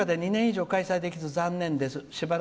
「コロナ禍で２年以上開催できず残念です。